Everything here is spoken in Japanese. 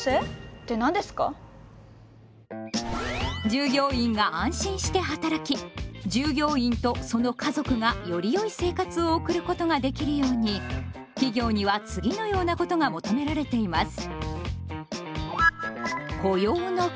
従業員が安心して働き従業員とその家族がよりよい生活を送ることができるように企業には次のようなことが求められています。